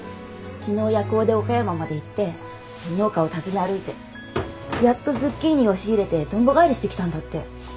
昨日夜行で岡山まで行って農家を訪ね歩いてやっとズッキーニを仕入れてとんぼ返りしてきたんだって。